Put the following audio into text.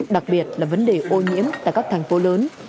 đặc biệt là vấn đề ô nhiễm tại các thành phố lớn